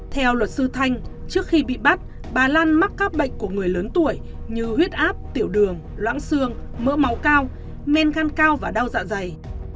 theo luật sư thanh trước khi bị bắt bà lan mắc các bệnh của người lớn tuổi như huyết áp tiểu đường loãng xương mỡ máu cao men gan cao và đau dạ dày